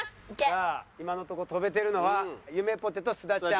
さあ今のところ跳べてるのはゆめぽてと須田ちゃん。